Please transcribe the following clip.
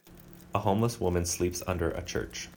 A homeless women sleeps under a church.